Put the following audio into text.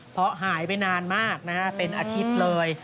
เพราะหายไปนานมากนะฮะเป็นอาทิตย์เลย